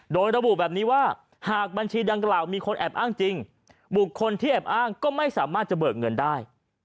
โดยระบุแบบนี้ว่าหากบัญชีดังกล่าวมีคนแอบอ้างจริงบุคคลที่แอบอ้างก็ไม่สามารถจะเบิกเงินได้